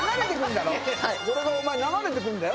これがお前流れて来るんだよ？